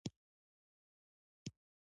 د میټاپلاسیا د حجرو بدلون دی.